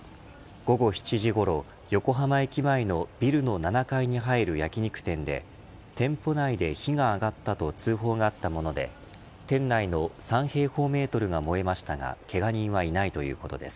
午後７時ごろ横浜駅前のビルの７階に入る焼き肉店で店舗内で火が上がったと通報があったもので店内の３平方メートルが燃えましたがけが人はいないということです。